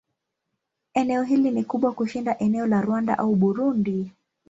Eneo hili ni kubwa kushinda eneo la Rwanda au Burundi.